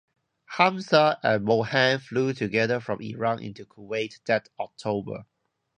Hamza and Mohand flew together from Iran into Kuwait that October.